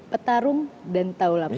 petarung dan tahu lapangan